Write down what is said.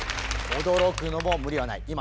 驚くのも無理はない。